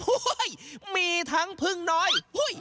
ก็มีทั้งผึ้งน้อย